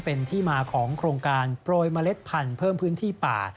เป็นที่มาของโครงการโปรยเมล็ดพันธุ์เพิ่มพื้นที่ป่า